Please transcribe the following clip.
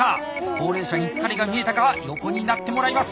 高齢者に疲れが見えたか横になってもらいます。